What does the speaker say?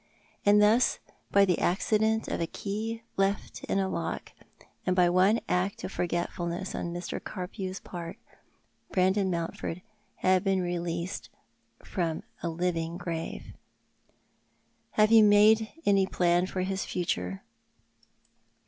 And thus, by the accident of a key left in a lock— by one act of forgttf ulness on Mr. Carpew's part — Brandon Mountford had been released from a living grave. '* Ilavo you made any plan for his future